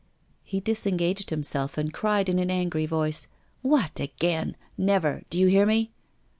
He disengaged himself, and cried in an angry voice: 'What, again! Never! do you hear me?